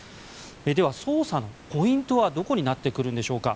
では捜査のポイントはどこになってくるんでしょうか。